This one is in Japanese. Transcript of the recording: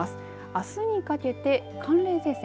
あすにかけて寒冷前線